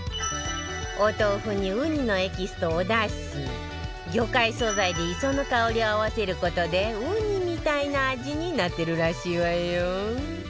お豆腐にウニのエキスとおだし魚介素材で磯の香りを合わせる事でウニみたいな味になってるらしいわよ